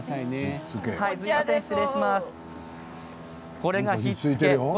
これが、ひっつけ。